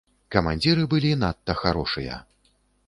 Камандзіры былі надта харошыя.